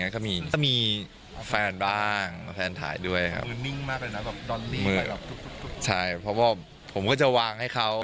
ใช่เพราะว่าผมก็จะวางให้เขา